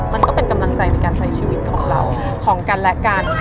มันก็เป็นกำลังใจในการใช้ชีวิตของเราของกันและกัน